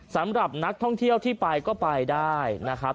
สำหรับนักท่องเที่ยวที่ไปก็ไปได้นะครับ